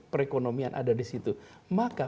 perekonomian ada di situ maka